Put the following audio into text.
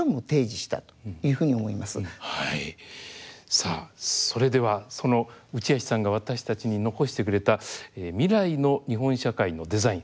さあそれではその内橋さんが私たちに残してくれた未来の日本社会のデザイン。